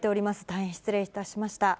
大変失礼いたしました。